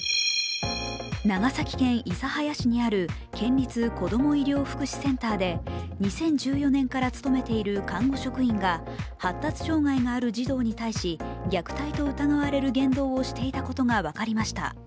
長崎県諫早市にある県立こども医療福祉センターで２０１４年から勤めている看護職員が発達障害がある児童に対し虐待と疑われる言動をしていたことが分かりました。